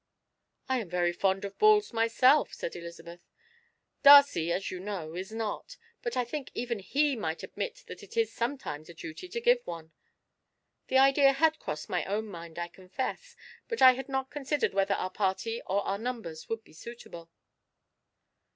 "I am very fond of balls myself," said Elizabeth. "Darcy, as you know, is not, but I think even he might admit that it is sometimes a duty to give one. The idea had crossed my own mind, I confess, but I had not considered whether our party or our numbers would be suitable."